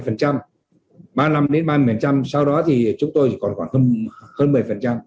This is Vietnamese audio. ba năm đến ba mươi sau đó thì chúng tôi còn hơn một mươi